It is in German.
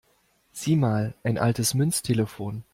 Sieh mal, ein altes Münztelefon!